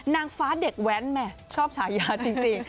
นางฟ้าเด็กแว้นแม่ชอบฉายาจริง